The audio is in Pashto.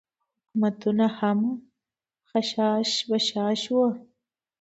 حکومتونه هم خشاش بشاش وو.